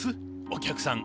お客さん